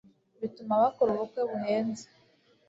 bituma bakora ubukwe buhenze